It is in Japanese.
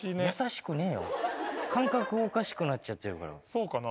そうかな。